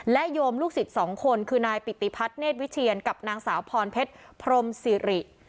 โยมลูกศิษย์สองคนคือนายปิติพัฒนเนธวิเชียนกับนางสาวพรเพชรพรมสิริ